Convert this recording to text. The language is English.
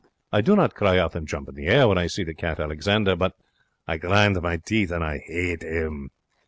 I do not cry out and jump in the air when I see the cat Alexander, but I grind my teeth and I 'ate 'im.